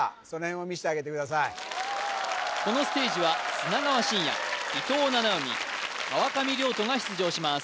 このステージは砂川信哉伊藤七海川上諒人が出場します